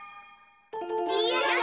やった！